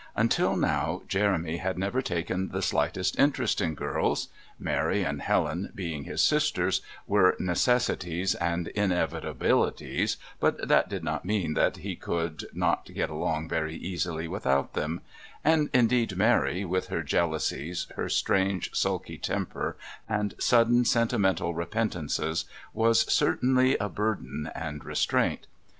Until now Jeremy had never taken the slightest interest in girls. Mary and Helen, being his sisters, were necessities and inevitabilities, but that did not mean that he could not get along very easily without them, and indeed Mary with her jealousies, her strange sulky temper and sudden sentimental repentances was certainly a burden and restraint.